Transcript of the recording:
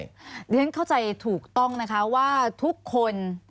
เพราะฉะนั้นเข้าใจถูกต้องนะคะว่าทุกคน